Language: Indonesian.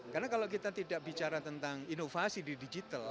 karena kalau kita tidak bicara tentang inovasi di digital